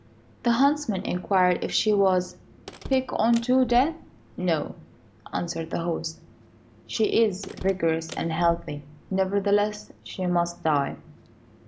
The huntsman inquired if she was "sick unto death?" "No," answered the host, "she is vigorous and healthy, nevertheless she must die!"